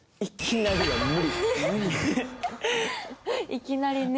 いきなりね。